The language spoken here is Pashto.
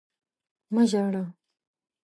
مه ژاړه!